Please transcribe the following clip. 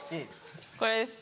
これです。